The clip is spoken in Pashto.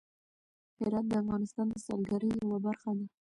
هرات د افغانستان د سیلګرۍ یوه برخه ده.